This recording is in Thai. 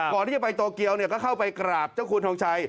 ก่อนที่จะไปโตเกียวก็เข้าไปกราบเจ้าคุณทองชัย